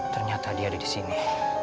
ternyata dia ada di sini